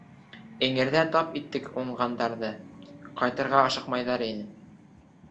Эңерҙә тап иттек уңғандарҙы, ҡайтырға ашыҡмайҙар ине.